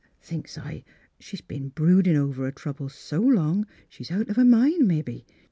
Thinks s' I, she's been broodin' over her troubles so long she's out of her mind, mebbe.